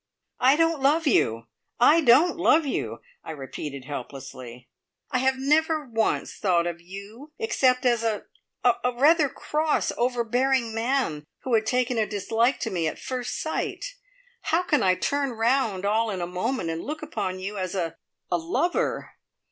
"I don't love you! I don't love you!" I repeated helplessly. "I have never once thought of you except as a a rather cross, overbearing man who had taken a dislike to me at first sight. How can I turn round all in a moment and look upon you as a a lover?